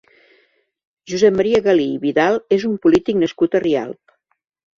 Josep Maria Galí i Vidal és un polític nascut a Rialb.